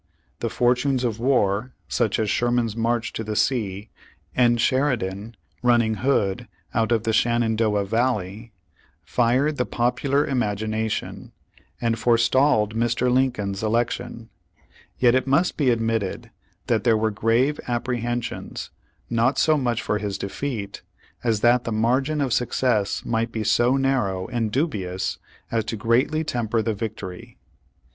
The fortunes of war, such as Sherman's ^May 31, 18G4. Pag« One Hundred thirty seven march to the sea, and Sheridan running Hood out of the Shenandoah Valley, fired the popular imag ination, and forestalled Mr. Lincoln's election. Yet it must be admitted that there were grave apprehensions, not so much for his defeat, as that the margin of success might be so narrow and dubious, as to greatly temper the victory.